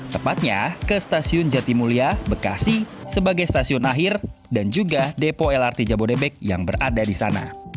tepatnya ke stasiun jatimulia bekasi sebagai stasiun akhir dan juga depo lrt jabodebek yang berada di sana